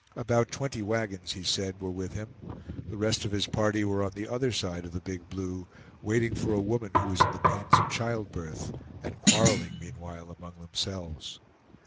About twenty wagons, he said, were with him; the rest of his party were on the other side of the Big Blue, waiting for a woman who was in the pains of child birth, and quarreling meanwhile among themselves.